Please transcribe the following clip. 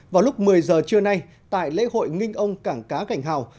vào lúc một mươi giờ trưa nay tại lễ hội kinh ông cảng cá gành hào